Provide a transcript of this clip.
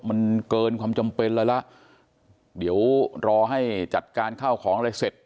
มันเกินความจำเป็นเลยละเดี๋ยวรอให้จัดการข้าวของอะไรเสร็จ